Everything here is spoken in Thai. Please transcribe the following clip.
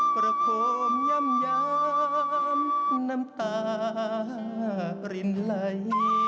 พระโพมย้ำย้ำน้ำตารินไหล